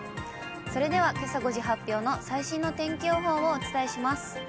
それではけさ５時発表の最新の天気予報をお伝えします。